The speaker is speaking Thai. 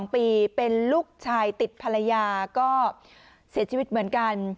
๒ปีเป็นลูกชายติดภรรยาก็เสียชีวิตเหมือนกัน